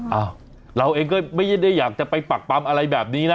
เราเองก็ไม่ได้อยากจะไปปักปำอะไรแบบนี้นะ